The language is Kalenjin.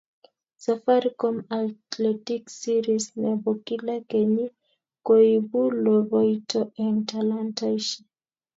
Safaricom Athletics series ne bo kila kenyii koibuu lobeito eng talantaishe.